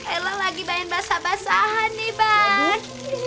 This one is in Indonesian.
elo lagi main basah basahan nih bang